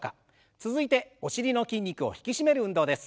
続いてお尻の筋肉を引き締める運動です。